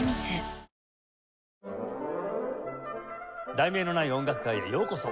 『題名のない音楽会』へようこそ。